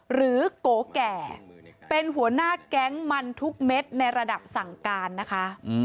โกแก่เป็นหัวหน้าแก๊งมันทุกเม็ดในระดับสั่งการนะคะ